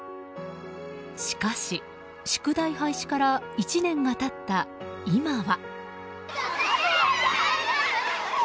しかし、宿題廃止から１年が経った今は。